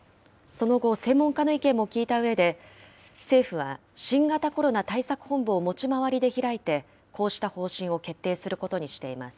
その後、専門家の意見も聞いたうえで、政府は新型コロナ対策本部を持ち回りで開いて、こうした方針を決定することにしています。